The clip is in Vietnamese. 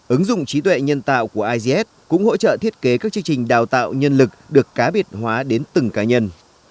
ứng dụng trí tuệ nhân tạo của izs cũng hỗ trợ thiết kế các chương trình đào tạo nhân lực được cá biệt hóa đến từng cá nhân